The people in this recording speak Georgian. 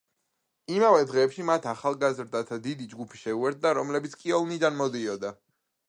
იმავე დღეებში მათ ახალგაზრდათა დიდი ჯგუფი შეუერთდა, რომლებიც კიოლნიდან მოდიოდა.